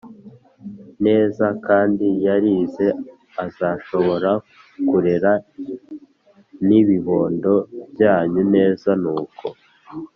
neza; kandi yarize azashobora kurera n’ibibondo byanyu neza”. Nuko